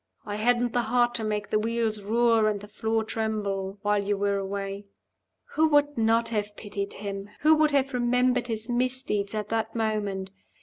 "I hadn't the heart to make the wheels roar and the floor tremble while you were away." Who would not have pitied him? Who would have remembered his misdeeds at that moment?